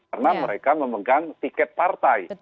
karena mereka memegang tiket partai